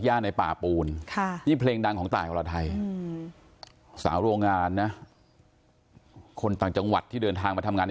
จากตรงก็ช่วงจังหวัดที่ข้อเป็น